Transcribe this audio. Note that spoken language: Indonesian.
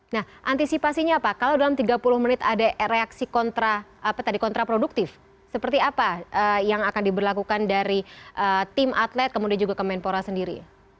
nah antisipasinya apa kalau dalam tiga puluh menit ada reaksi kontraproduktif seperti apa yang akan diberlakukan dari tim atlet kemudian juga kemenpora sendiri